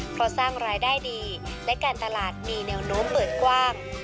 เพราะสร้างรายได้ดีและการตลาดมีแนวโน้มเปิดกว้าง